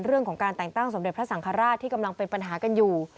เรื่องของการแต่งตั้งสมเด็จพระสังฆราชที่กำลังเป็นปัญหากันอยู่